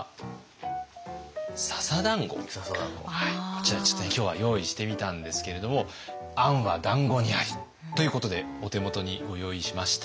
こちらちょっとね今日は用意してみたんですけれども「餡は団子にあり」ということでお手元にご用意しました。